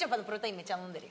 めっちゃ飲んでるよ。